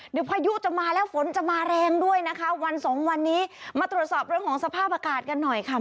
เดี๋ยวพายุจะมาแล้วฝนจะมาแรงด้วยนะคะวันสองวันนี้มาตรวจสอบเรื่องของสภาพอากาศกันหน่อยค่ะ